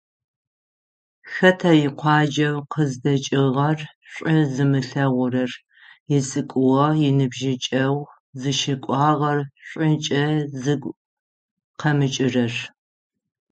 Хэта икъуаджэу къыздэкӏыгъэр шӏу зымылъэгъурэр, ицӏыкӏугъо - иныбжьыкӏэгъу зыщыкӏуагъэр шӏукӏэ зыгу къэмыкӏырэр?